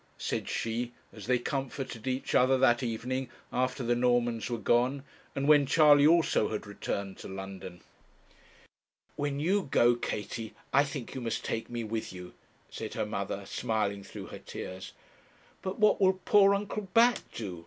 said she, as they comforted each other that evening after the Normans were gone, and when Charley also had returned to London. 'When you go, Katie, I think you must take me with you,' said her mother, smiling through her tears. 'But what will poor Uncle Bat do?